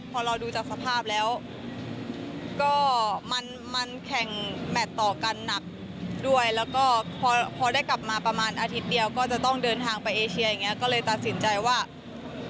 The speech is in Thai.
พอเราดูจากสภาพแล้วก็มันแข่งแมทต่อกันหนักด้วย